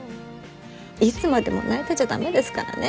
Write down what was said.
いつまでも泣いてちゃ駄目ですからね。